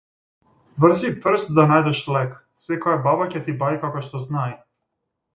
Врзи прст да најдеш лек, секоја баба ќе ти баи како што знаи.